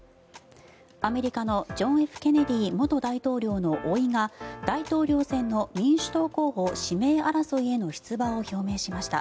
アメリカのジョン・Ｆ・ケネディ元大統領のおいが大統領選の民主党候補指名争いへの出馬を表明しました。